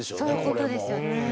そういうことですよね。